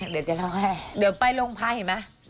เดี๋ยวจะเล่าให้เดี๋ยวไปโรงพักเห็นไหม